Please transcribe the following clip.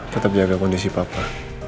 tetap jaga kondisi papa